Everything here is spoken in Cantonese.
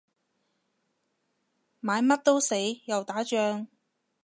買乜都死，又打仗